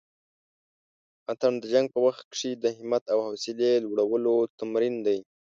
اتڼ د جنګ په وخت کښې د همت او حوصلې لوړلو تمرين دی.